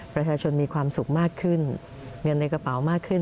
ประชาชนมีความสุขมากขึ้นเงินในกระเป๋ามากขึ้น